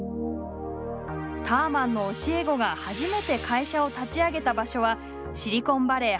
ターマンの教え子が初めて会社を立ち上げた場所はシリコンバレー発祥の地として知られています。